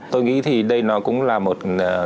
tôi nghĩ thì đây nó cũng là một cái